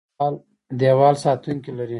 دیوال ساتونکي لري.